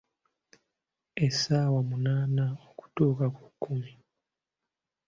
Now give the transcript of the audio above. Essaawa munaana okutuuka ku kkumi.